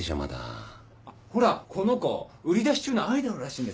あっほらこの子売り出し中のアイドルらしいんですよ。